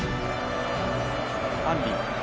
アンリ。